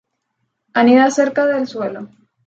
Anida cerca del suelo.